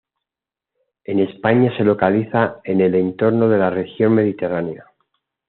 En España se localiza en el contorno de la región mediterránea.